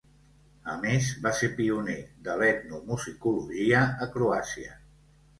A més va ser pioner de l'etnomusicologia a Croàcia.